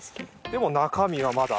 でも中身はまだ。